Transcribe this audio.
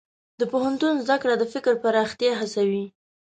د پوهنتون زده کړه د فکر پراختیا هڅوي.